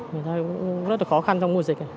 vì thế cũng rất là khó khăn